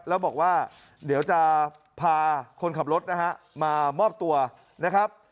แล้วบอกว่าเดี๋ยวจะพาคนขับรถนะฮะมามอบตัวนะครับ